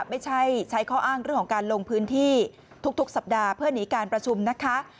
ไม่ใช่ใช้ข้ออ้างเรื่องของการลงพื้นที่ทุกสัปดาห์เพื่อหนีการประชุมนะคะ